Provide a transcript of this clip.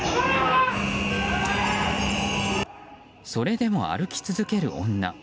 それでも歩き続ける女。